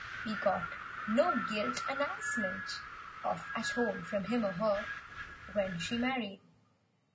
We got no gilt announcement of "At Home" from him or her— When she married.